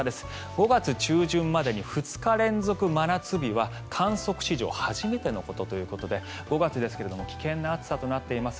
５月中旬までに２日連続真夏日は観測史上初めてのことということで５月ですけれども危険な暑さとなっています。